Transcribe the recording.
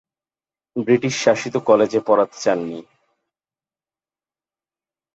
British শাসিত কলেজে পড়াতে চাননি।